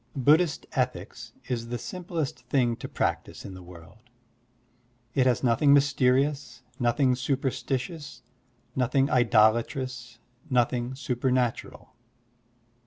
Buddhist ethics is the simplest thing to practise in the world. It has nothing mysterious, nothing superstitioxis, nothing idolatrous, nothing supernatural.